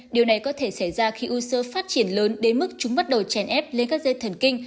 điều này có thể xảy ra khi u sơ phát triển lớn đến mức chúng bắt đầu chèn ép lên các dây thần kinh